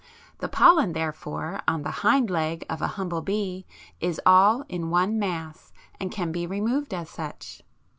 The pollen therefore on the hind leg of a humble bee is all in one mass and can be removed as such.